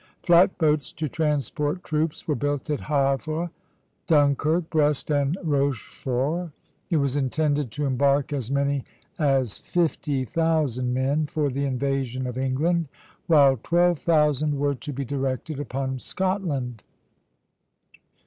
Flat boats to transport troops were built at Havre, Dunkirk, Brest, and Rochefort. It was intended to embark as many as fifty thousand men for the invasion of England, while twelve thousand were to be directed upon Scotland.